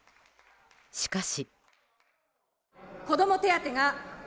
しかし。